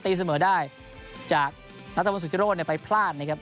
ตีเสมอได้จากนาธิสิบแปดไปพลาดนะครับ